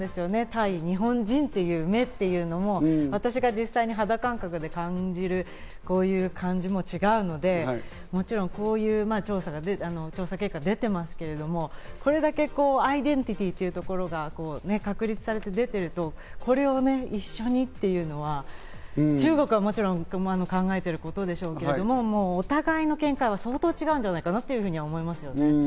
対日本人という目というのも私が実際に肌感覚で感じる感じも違うので、こういう調査結果が出てますけれども、これだけアイデンティティーというところが確立されて出ていると、これを一緒にっていうのは、中国はもちろん考えてることでしょうけれど、お互いの見解は相当違うんじゃないかなと思います。